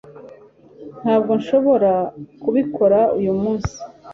ntabwo nshobora kubikora uyu munsi